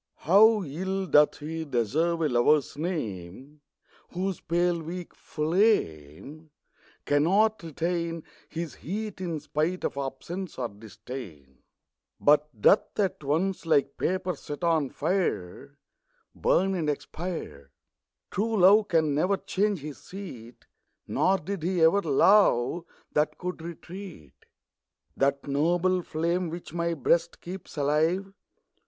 HOW ill doth lie deserve a Lover's name Whose pale weak flame Cannot retain His heat, in spite of absence or disdain ; But doth at once, like paper set on fire, Burn and expire ! True love can never change his seat ; Nor did he ever love that can retreat. That noble flame, which my Ijreast keeps alive.